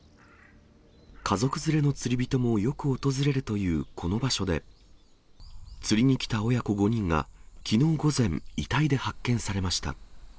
家族連れの釣り人もよく訪れるというこの場所で、釣りに来た親子５人が、きのう午前、遺体で発見されました。